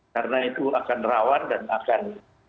karena itu akan rawan dan akan